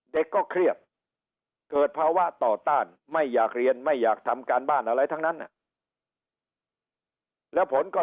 เด็กก็เครียดเกิดภาวะต่อต้านไม่อยากเรียนไม่อยากทำการบ้านอะไรทั้งนั้นแล้วผลก็